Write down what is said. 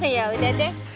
ya udah deh